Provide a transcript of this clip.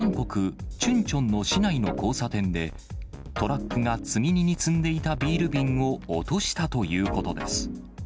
地元メディアによりますと、韓国・チュンチョンの市内の交差点で、トラックが積み荷に積んでいたビール瓶を落としたということです。